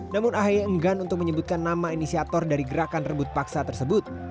namun ahy enggan untuk menyebutkan nama inisiator dari gerakan rebut paksa tersebut